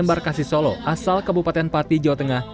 satu m barkasi solo asal kabupaten pati jawa tengah